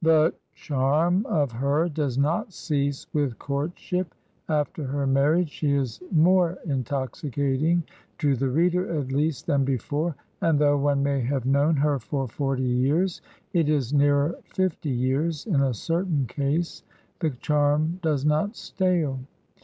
The charm of her does not cease with courtship; after her marriage she is more intoxicating, to the reader at least, than before; and though one may have known her for forty years — it is nearer fifty years, in a certain case — ^the charm does not stale.